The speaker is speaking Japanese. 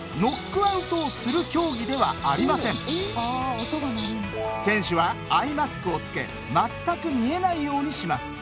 一方選手はアイマスクをつけ全く見えないようにします。